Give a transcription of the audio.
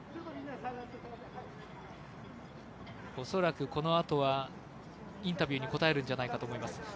恐らくこのあとはインタビューに答えるんじゃないかと思います。